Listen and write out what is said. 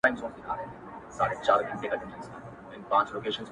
• د هر چا عیب ته یې دوې سترګي نیولي ,